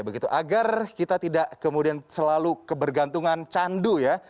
begitu agar kita tidak kemudian selalu kebergantungan candu ya